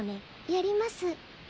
やります。